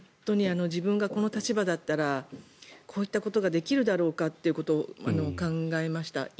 自分がこの立場だったらこういったことができるだろうかということを考えました。